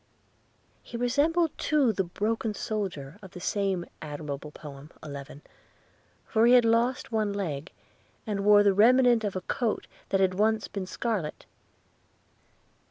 He resembled too the 'Broken Soldier' of the same admirable poem 11; for he had lost one leg, and wore the remnant of a coat that had once been scarlet.